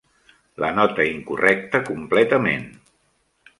La nota incorrecta completament.